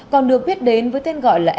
còn được biết đến với tên gọi là